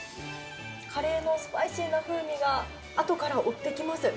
カレーのスパイシーな風味が後から追ってきます。